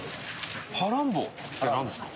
「ハランボ」って何ですか？